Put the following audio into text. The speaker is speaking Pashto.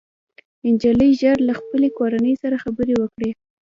نجلۍ ژر له خپلې کورنۍ سره خبرې وکړې